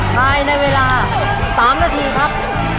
ใช้ในเวลาสามนาทีครับ